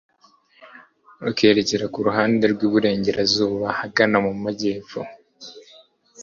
rukerekera ku ruhande rw'iburengerazuba hagana mu majyepfo